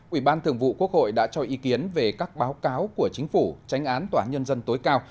ủy ban thường vụ quốc hội đã cho ý kiến về các báo cáo của chính phủ tránh án tòa án nhân dân tối cao